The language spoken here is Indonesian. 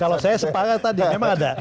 kalau saya sepakat tadi memang ada